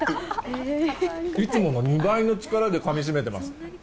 いつもの２倍の力でかみしめてます。